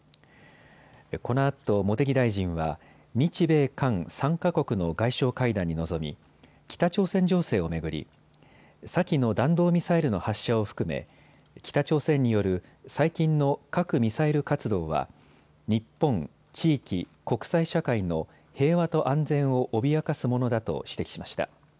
このあと茂木大臣は日米韓３か国の外相会談に臨み、北朝鮮情勢を巡り先の弾道ミサイルの発射を含め北朝鮮による最近の核・ミサイル活動は日本、地域、国際社会の平和と安全を脅かすものだと指摘しました。